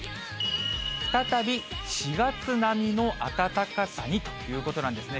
再び４月並みの暖かさにということなんですね。